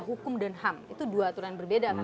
hukum dan ham itu dua aturan berbeda kan